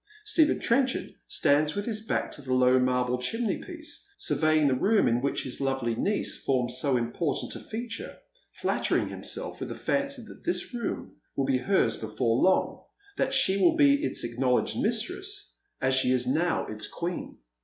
Stephen Trenchard stands with his back to the low marble chimney piece, survejang the room in which his lovely niece forms so important a feature, flattering himself with the fancy that this room will be hers before long, that she will be its acknowledged mistress as she is now its queen.